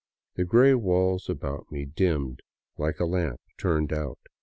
The gray walls about me dimmed like a lamp turned out.